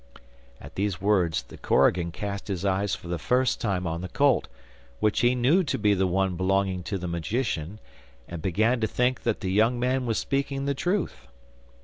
At these words the korigan cast his eyes for the first time on the colt, which he knew to be the one belonging to the magician, and began to think that the young man was speaking the truth.